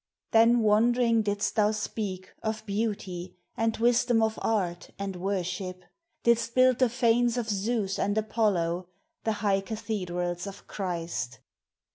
Then wondering didst thou speak Of beauty and wisdom of art and worship Didst build the fanes of Zeus and Apollo The high cathedrals of Christ.